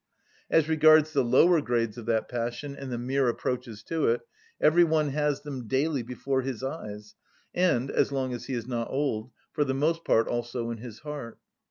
As regards the lower grades of that passion, and the mere approaches to it, every one has them daily before his eyes, and, as long as he is not old, for the most part also in his heart.